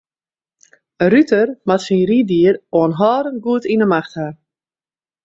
In ruter moat syn ryddier oanhâldend goed yn 'e macht hawwe.